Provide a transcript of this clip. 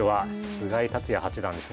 菅井竜也八段ですね。